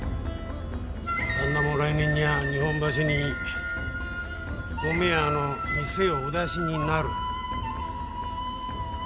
旦那も来年には日本橋に米屋の店をお出しになる。